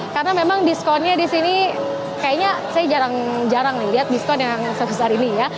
karena memang diskonnya di sini kayaknya saya jarang jarang lihat diskon yang sebesar ini ya